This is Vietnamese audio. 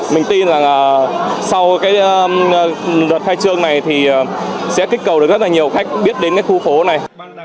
mình tin rằng là sau cái đợt khai trương này thì sẽ kích cầu được rất là nhiều khách biết đến cái khu phố này